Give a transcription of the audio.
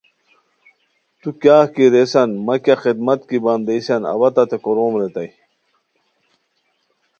تو کیاغ کی ریسان مہ کیہ خدمت کی بندیسان اوا تتے کوروم ریتائے